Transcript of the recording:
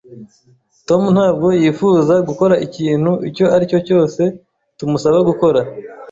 Tom ntabwo yifuza gukora ikintu icyo ari cyo cyose tumusaba gukora